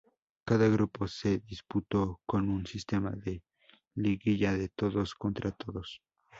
Cada grupo se disputó con un sistema de liguilla de todos contra todos.